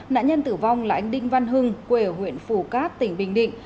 nạn nhân tử vong là anh đinh văn hưng quê ở huyện phủ cát tỉnh bình định